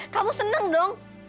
kamu seneng dong